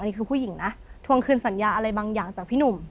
นี่คือผู้หญิงนะทวงคืนสัญญาอะไรบางอย่างจากพี่หนุ่ม